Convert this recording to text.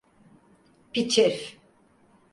Piç herif!